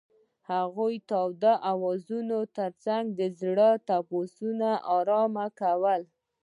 هغې د تاوده اوازونو ترڅنګ د زړونو ټپونه آرام کړل.